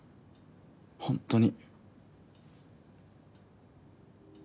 ホントに。